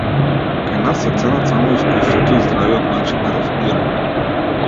Кај нас се ценат само искуството и здравиот начин на резонирање.